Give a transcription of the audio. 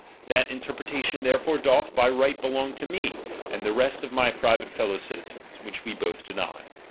That in terpretation therefore doth by right belong to me, and the rest of my private fellow subjects ; which we both deny.